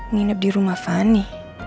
nginep di rumah fani